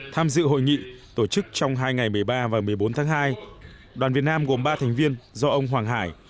tham dự hội nghị tổ chức trong hai ngày một mươi ba và một mươi bốn tháng hai đoàn việt nam gồm ba thành viên do ông hoàng hải